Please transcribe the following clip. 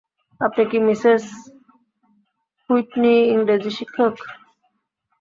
আপনি কি Mrs Whitney, ইংরেজির শিক্ষক?